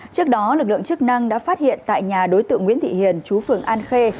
trước đó lực lượng chức năng đã phát hiện tại nhà đối tượng nguyễn thị hiền chú phường an khê